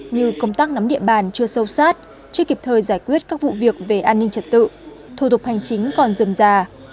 như công tác nắm địa bàn chưa sâu sát chưa kịp thời giải quyết các vụ việc về an ninh trật tự thủ tục hành chính còn dườm già